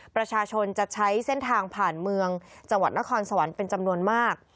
ประชาชนจะใช้เส้นทางผ่านเมืองจังหวัดนครสวรรค์เป็นจำนวนมาก